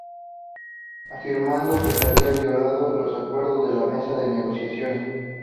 Afirmando que se habían violado los acuerdos de la mesa de negociaciones.